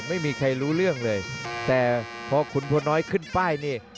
ไม่มีใครรู้เรื่องเลยแต่พอขุนพลน้อยขึ้นป้ายนี่